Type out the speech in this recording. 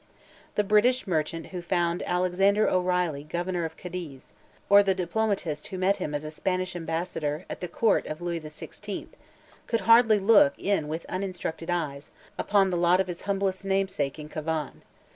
The British merchant who found Alexander O'Reilly Governor of Cadiz, or the diplomatist who met him as Spanish ambassador, at the Court of Louis XVI., could hardly look with uninstructed eyes, upon the lot of his humblest namesake in Cavan.